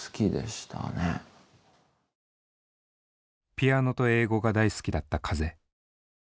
ピアノと英語が大好きだった風。